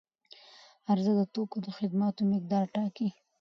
عرضه د توکو او خدماتو مقدار ټاکي.